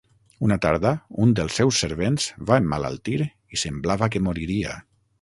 Una tarda, un dels seus servents va emmalaltir i semblava que moriria.